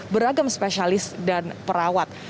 beragam spesialis dan perawat